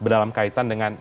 dalam kaitan dengan